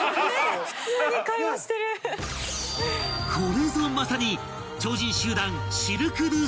［これぞまさに］